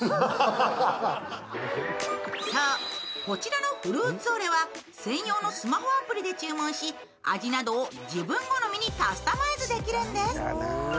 こちらのフルーツオレは専用のスマホアプリで注文し、味などを自分好みにカスタマイズできるんです。